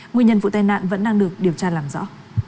nguyên nhân vụ tai nạn vẫn đang được điều tra làm rõ